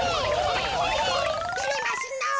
てれますのぉ。